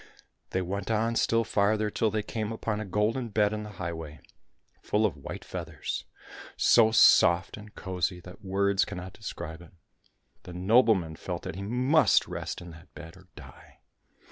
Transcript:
They went on still farther till they came upon a golden bed in the highway, full of white feathers so soft and cosy that words cannot describe it. The nobleman felt that he must rest in that bed or die.